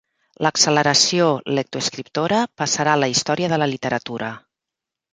L'acceleració lectoescriptora passarà a la història de la literatura.